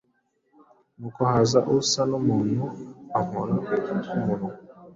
Nuko haza usa n’umuntu ankora ku munwa